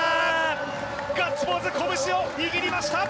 ガッツポーズ、拳を握りました。